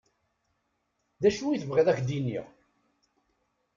D acu i tebɣiḍ ad ak-d-iniɣ?